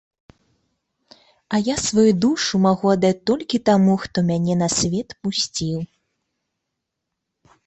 А я сваю душу магу аддаць толькі таму, хто мяне на свет пусціў.